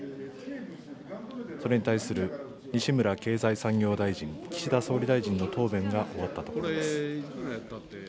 それに対する西村経済産業大臣、岸田総理大臣の答弁が終わったところです。